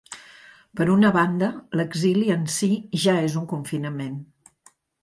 Per una banda, l’exili en si ja és un confinament.